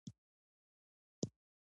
پښتانه په عذاب سول.